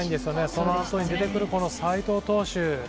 そのあとに出てくる、斎藤蓉投手。